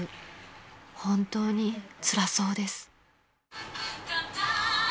［本当につらそうです］